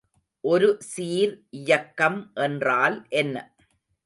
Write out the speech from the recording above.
ஒருசீர் இயக்கம் என்றால் என்ன?